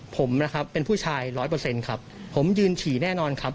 ผมนะครับเป็นผู้ชายร้อยเปอร์เซ็นต์ครับผมยืนฉี่แน่นอนครับ